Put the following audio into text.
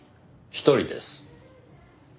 １人です。